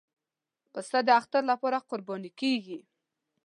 پسه د اختر لپاره قرباني کېږي.